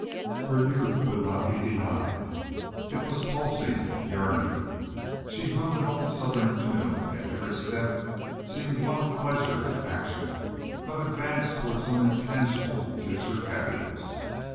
Her youth would not be denied. It was pulsing, yearning. She hummed an old Southern tune and every step seemed one of pleasure in action, of advance toward some intangible future happiness.